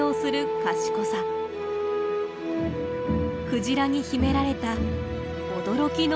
クジラに秘められた驚きの能力です。